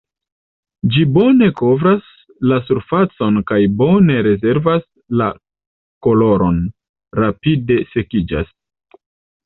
Ĝi bone kovras la surfacon kaj bone rezervas la koloron, rapide sekiĝas.